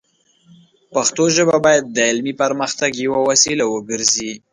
پښتو ژبه باید د علمي پرمختګ یوه وسیله وګرځي.